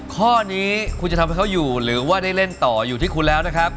ข้อนี้คุณจะทำให้เขาอยู่หรือว่าได้เล่นต่ออยู่ที่คุณแล้วนะครับ